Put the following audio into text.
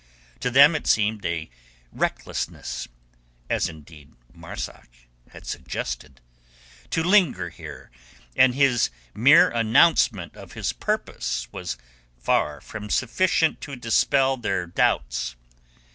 To them it seemed a recklessness—as, indeed, Marzak had suggested—to linger here, and his mere announcement of his purpose was far from sufficient to dispel their doubts.